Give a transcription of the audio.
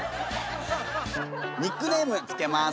ニックネーム付けます。